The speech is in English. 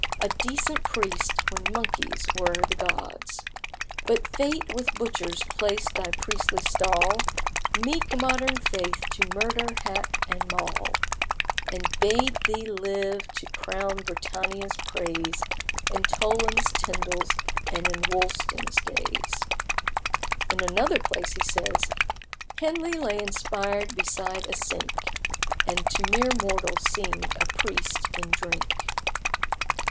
A decent priest when monkeys were the gods. But Fate with butchers placed thy priestly stall, Meek modern faith to murder, hack, and maul, And bade thee live to crown Britannia's praise In Toland's, Tindal's, and in Woolston's days." In another place he says "Henley lay inspired beside a sink, And to mere mortals seemed a priest in drink."